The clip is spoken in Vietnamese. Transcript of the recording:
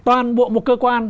toàn bộ một cơ quan